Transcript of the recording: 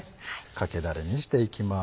かけだれにしていきます。